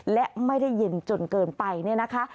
และไม่ได้เย็นจนเกินไปเนี่ยนะคะ